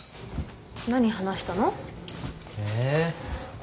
何話したの？え？